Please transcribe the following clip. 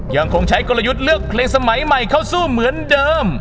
ยังคงใช้กลยุทธ์เลือกเพลงสมัยใหม่เข้าสู้เหมือนเดิม